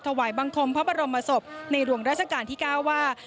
ถวายบังคมพระบรมศพในหลวงราชการที่๙ว่า